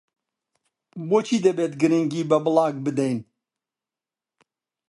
بۆچی دەبێت گرنگی بە بڵاگ بدەین؟